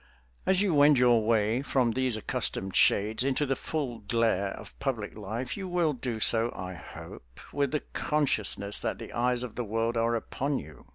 As you wend your way from these accustomed shades into the full glare of public life you will do so, I hope, with the consciousness that the eyes of the world are upon you.